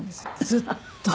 ずっと。